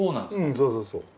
そうそうそう。